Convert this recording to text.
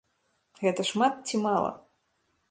Гэта шмат ці мала?